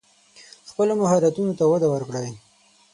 خپلو مهارتونو ته وده ورکړئ.